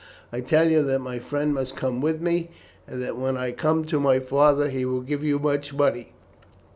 I tell you that my friend must come with me, and that when I come to my father he will give you much money.